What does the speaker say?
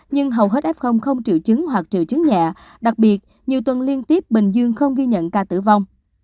nhưng hầu hết f không triệu chứng hoặc triệu chứng nhẹ đặc biệt nhiều tuần liên tiếp bình dương không ghi nhận ca tử vong